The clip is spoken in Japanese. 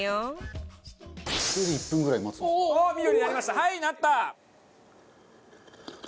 はいなった！